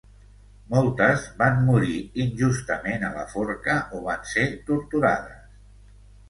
Moltes van morir injustament a la forca o van ser torturades.